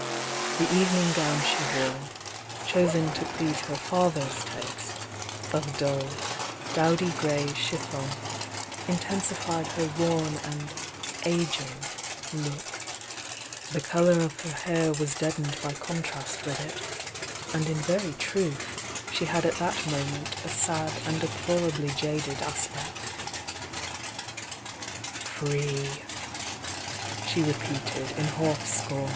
The evening gown rfie wore, chosen to please her father's taste, of dull, dowdy 58 THE YOUXCw DIANA grey chiffon, intensified her worn and "ageing" look ; the colour of her hair was deadened by contrast with it, and in very trutli she had at that moment a sad and deplorably jaded aspect. "Free!" she repeated, in sclf scom.